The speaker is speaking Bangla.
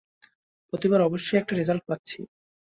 প্রতিবার অবশ্য একই রেজাল্ট পাচ্ছি!